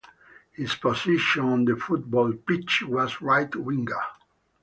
His position on the football pitch was right winger.